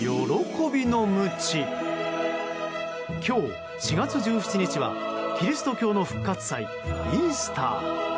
今日４月１７日はキリスト教の復活祭イースター。